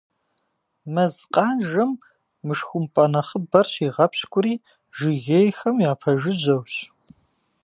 Мэз къанжэм мышхумпӏэ нэхъыбэр щигъэпщкӏури жыгейхэм япэжыжьэущ.